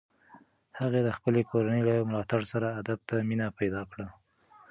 هغې د خپلې کورنۍ له ملاتړ سره ادب ته مینه پیدا کړه.